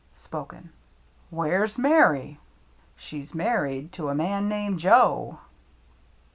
(Spoken) WHERE'S MARY? She's married to a man named Joe.